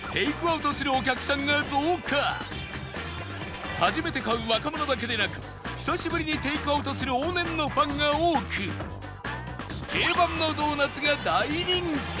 昨今初めて買う若者だけでなく久しぶりにテイクアウトする往年のファンが多く定番のドーナツが大人気